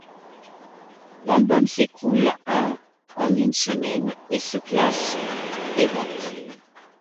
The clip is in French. L'album s'écoule à en une semaine et se classe des ventes.